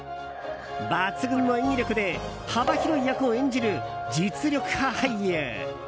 抜群の演技力で幅広い役を演じる実力派俳優。